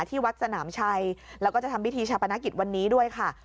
ที่วัดสนามชัยแล้วก็จะทำพิธีชาปนกิจวันนี้ด้วยค่ะ